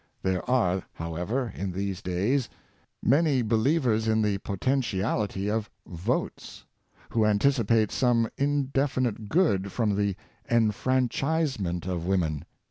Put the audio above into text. There are, however, in these days, many believers in the potentiality of " votes,'' who anticipate some indefinite good from the " enfranchisement" of women.